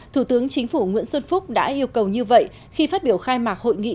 thủ tướng chính phủ nguyễn xuân phúc đã yêu cầu như vậy khi phát biểu khai mạc hội nghị